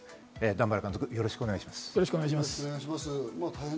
段原監督、よろしくお願いします。